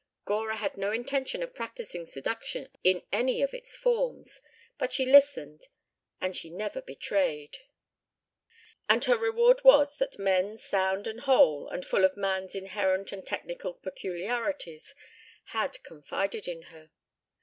Gora had no intention of practising seduction in any of its forms, but she listened and she never betrayed, and her reward was that men sound and whole, and full of man's inherent and technical peculiarities, had confided in her.